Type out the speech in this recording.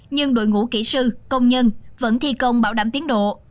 nhưng đội ngũ kỹ sư công nhân vẫn thi công bảo đảm tiến độ